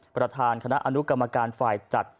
ประธานคณะอนุกรรมการฝ่ายจัด